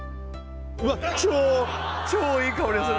うわっ超いい香りがする！